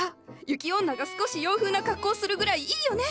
雪女が少し洋風なかっこをするぐらいいいよね？